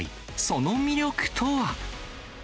その魅力とは？